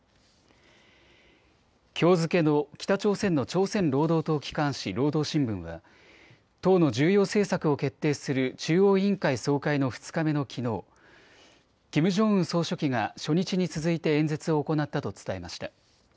きょう付けの北朝鮮の朝鮮労働党機関紙、労働新聞は党の重要政策を決定する中央委員会総会の２日目のきのう、キム・ジョンウン総書記が初日に続いて演説を行ったと伝えました。